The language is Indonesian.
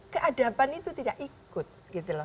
keadaban itu tidak ikut